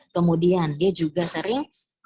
kemudian dia juga sering